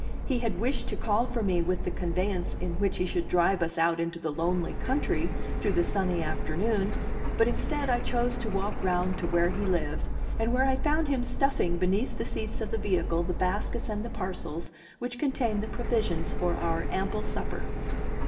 He had wished to call for me with the conveyance in which he should drive us out into the lonely country through the sunny afternoon; but instead, I chose to walk round to where he lived, and where I found him stuffing beneath the seats of the vehicle the baskets and the parcels which contained the provisions for our ample supper.